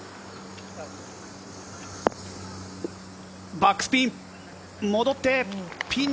バックスピン。